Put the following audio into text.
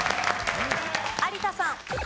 有田さん。